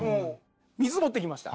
水持ってきました。